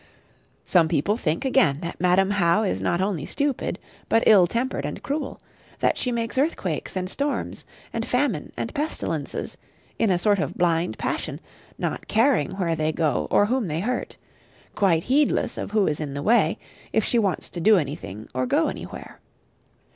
Some people think, again, that Madam How is not only stupid, but ill tempered and cruel; that she makes earthquakes and storms, and famine and pestilences, in a sort of blind passion, not caring where they go or whom they hurt; quite heedless of who is in the way, if she wants to do anything or go anywhere.